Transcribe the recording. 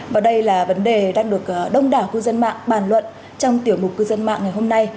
và đây là vấn đề đang được đông đảo cư dân mạng bàn luận trong tiểu mục cư dân mạng ngày hôm nay